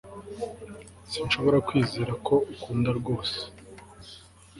sinshobora kwizera ko unkunda rwose